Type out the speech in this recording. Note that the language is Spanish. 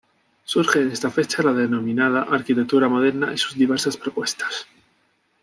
Surge en esta fecha la denominada 'arquitectura moderna' y sus diversas propuestas.